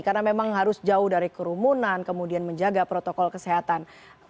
karena memang harus jauh dari kerumunan kemudian menjaga protokol kesehatan